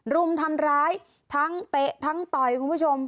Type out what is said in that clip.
รุมทำร้ายทั้งเตะทั้งต่อยคุณผู้ชม